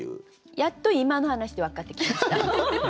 やっと今の話で分かってきました。